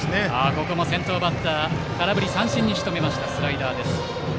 ここも先頭バッター空振り三振にしとめたスライダー。